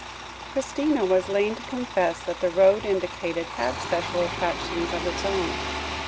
Christina was lain to confess that the road indicated had special attractions of its own.